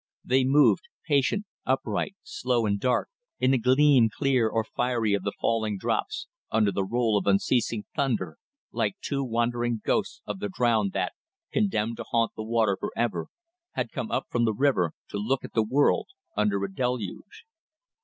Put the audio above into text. They moved, patient, upright, slow and dark, in the gleam clear or fiery of the falling drops, under the roll of unceasing thunder, like two wandering ghosts of the drowned that, condemned to haunt the water for ever, had come up from the river to look at the world under a deluge.